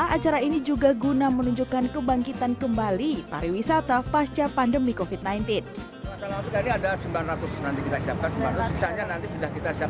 acara ini juga guna menunjukkan kebangkitan kembali pariwisata pasca pandemi covid sembilan belas